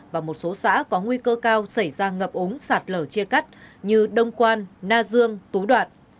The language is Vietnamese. và một số xã có nguy cơ cao xảy ra ngập ống sạt lở chia cắt như đông quan na dương tú đoạn